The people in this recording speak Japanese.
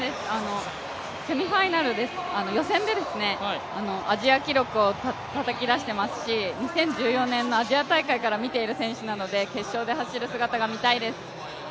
セミファイナル、予選でアジア記録をたたき出していますし、２０１４年のアジア大会から見ている選手なので決勝で走る姿が見たいです。